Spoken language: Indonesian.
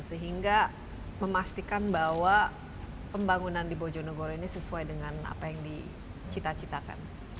sehingga memastikan bahwa pembangunan di bojonegoro ini sesuai dengan apa yang dicita citakan